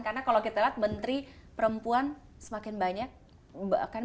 karena kalau kita lihat menteri perempuan semakin banyak mungkin sepanjang sejarah ini yang paling banyak